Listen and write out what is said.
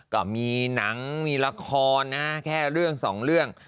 ก็มีหนังมีราคอนาแค่เรื่อง๒เรื่อง